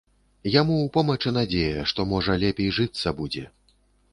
Яму ў помачы надзея, што, можа, лепей жыцца будзе.